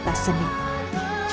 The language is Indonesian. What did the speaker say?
pertanyaan dari penulis